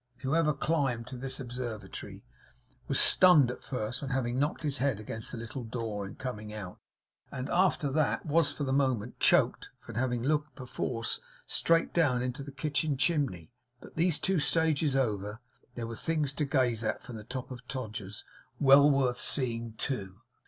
Whoever climbed to this observatory, was stunned at first from having knocked his head against the little door in coming out; and after that, was for the moment choked from having looked perforce, straight down the kitchen chimney; but these two stages over, there were things to gaze at from the top of Todgers's, well worth your seeing too.